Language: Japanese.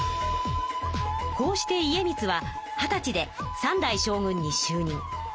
こうして家光は二十歳で３代将軍にしゅう任。